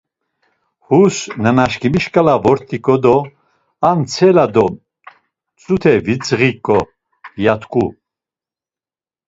Hus nanaşǩimi şǩala vort̆iǩo do ar ntsele do mtzute vidzği ǩo, ya t̆ǩu.